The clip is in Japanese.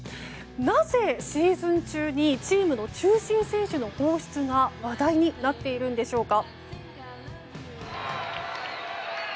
なぜシーズン中にチームの中心選手の放出が話題になっているのでしょうか。